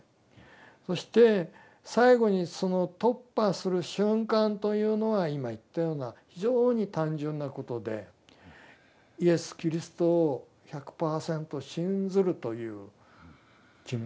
そして最後にその突破する瞬間というのは今言ったような非常に単純なことでイエス・キリストを１００％信ずるという気持ちなんです。